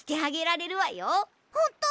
ほんと！？